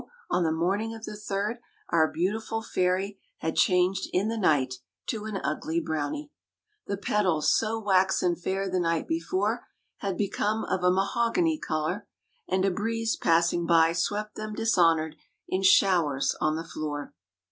on the morning of the third our beautiful fairy had changed in the night to an ugly brownie. The petals, so waxen fair the night before, had become of a mahogany color; and a breeze passing by swept them dishonored in showers on the floor.